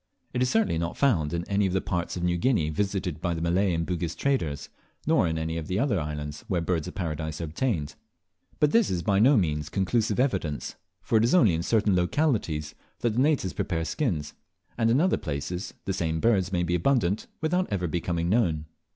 It is certainly not found in any of the parts of New Guinea visited by the Malay and Bugis traders, nor in any of the other islands where Birds of Paradise are obtained. But this is by no means conclusive evidence, for it is only in certain localities that the natives prepare skins, and in other places the same birds may be abundant without ever becoming known.